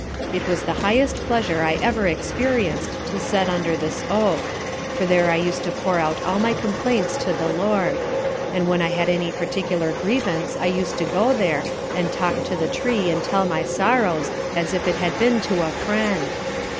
It was the highest pleasure I ever experienced to set under this Oak; for there I used to pour out all my complaints to the LORD: and when I had any particular grievance I used to go there, and talk to the tree, and tell my sorrows, as if it had been to a friend.